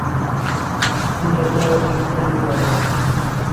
Onja saw thi sonai paron